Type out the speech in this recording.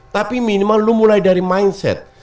tapi minimal lu mulai dari mindset